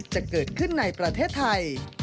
จะเกิดขึ้นในประเทศไทย